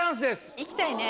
いきたいね。